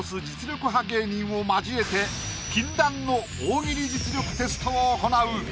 実力派芸人を交えて禁断の大喜利実力テストを行う！